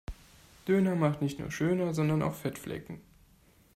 Döner macht nicht nur schöner sondern auch Fettflecken.